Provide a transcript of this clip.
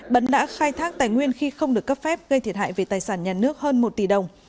bấn đã khai thác tài nguyên khi không được cấp phép gây thiệt hại về tài sản nhà nước hơn một tỷ đồng